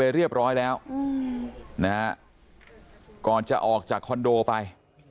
เรียบร้อยแล้วนะฮะก่อนจะออกจากคอนโดไป